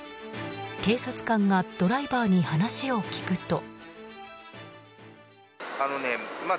警察官がドライバーに話を聞くと。